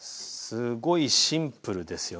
すごいシンプルですよね。